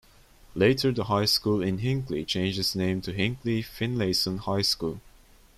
Later, the high school in Hinckley changed its name to Hinckley-Finlayson High School.